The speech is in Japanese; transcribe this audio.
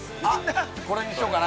◆これにしようかな。